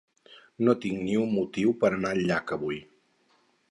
No tinc ni un motiu per anar al llac avui.